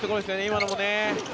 今のもね。